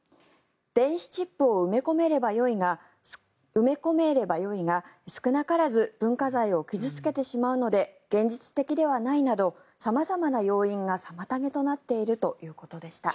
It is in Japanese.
電子チップを埋め込めればよいが少なからず文化財を傷付けてしまうので現実的ではないなど様々な要因が妨げとなっているということでした。